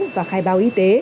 và khai báo